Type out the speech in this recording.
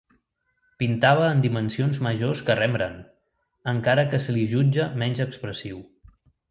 Pintava en dimensions majors que Rembrandt, encara que se li jutja menys expressiu.